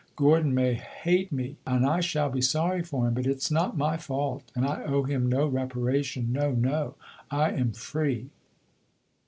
Gordon may hate me, and I shall be sorry for him; but it 's not my fault, and I owe him no reparation. No, no; I am free!"